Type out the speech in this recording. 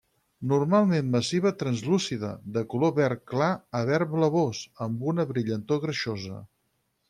Normalment massiva translúcida, de color verd clar a verd blavós, amb una brillantor greixosa.